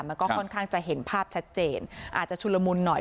มันก็ค่อนข้างจะเห็นภาพชัดเจนอาจจะชุลมุนหน่อย